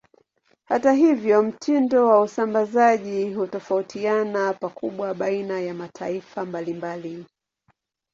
Hata hivyo, mtindo wa usambazaji hutofautiana pakubwa baina ya mataifa mbalimbali.